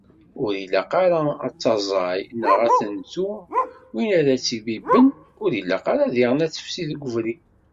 Ur ilaq ara ad taẓay neɣ ad tentu win ara tt-ibibben ; ur ilaq ara diɣen ad tefsi deg ubrid.